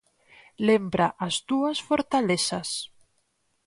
Lembra as túas fortalezas.